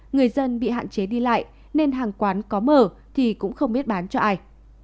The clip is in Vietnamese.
người dân bị hạn chế đi lại nên hàng quán có mở thì cũng không biết bán cho ai